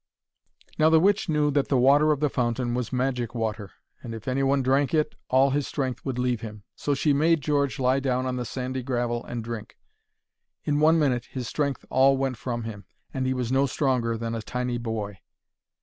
Now the witch knew that the water of the fountain was magic water, and if any one drank it all his strength would leave him. So she made George lie down on the sandy gravel and drink. In one minute his strength all went from him and he was no stronger than a tiny boy.